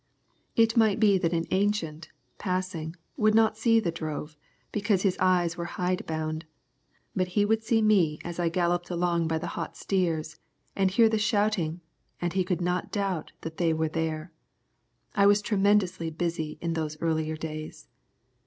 It might be that an ancient, passing, would not see the drove, because his eyes were hide bound, but he would see me as I galloped along by the hot steers, and hear the shouting, and he could not doubt that they were there. I was tremendously busy in those earlier days.